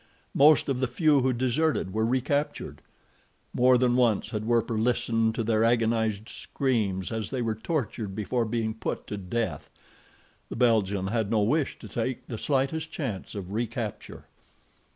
Most of the few who deserted were recaptured. More than once had Werper listened to their agonized screams as they were tortured before being put to death. The Belgian had no wish to take the slightest chance of recapture.